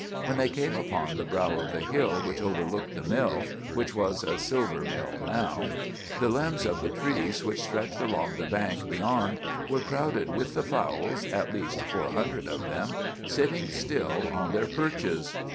When they came upon the brow of the hill which overlooked the mill, which was a silver mill now, the limbs of the trees which stretched along the bank beyond were crowded with the fowls, at least four hundred of them, sitting still on their perches.